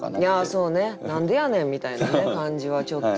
そうね「何でやねん」みたいなね感じはちょっと。